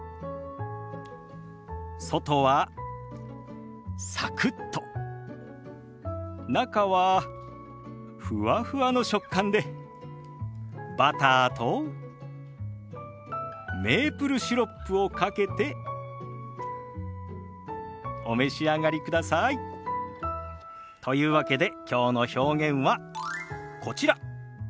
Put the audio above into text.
外はサクッと中はふわふわの食感でバターとメープルシロップをかけてお召し上がりください。というわけできょうの表現はこちら。